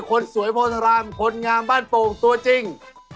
คนสวยโพธารามคนงามบ้านโป่งตัวจริง